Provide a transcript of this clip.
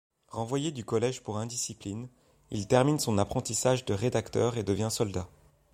Renvoyé du collège pour indiscipline, il termine son apprentissage de rédacteur et devient soldat.